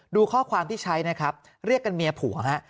ดูข้อความที่ใช้นะครับเรียกกันเมียผัวฮะ